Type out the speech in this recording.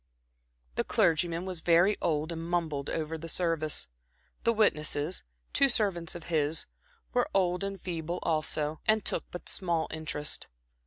The clergyman was very old and mumbled over the service; the witnesses, two servants of his, were old and feeble, also, and took but small interest.